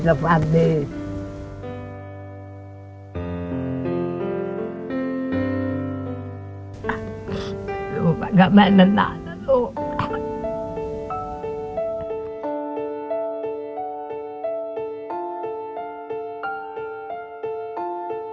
ลูกกันกับแม่นานนะลูก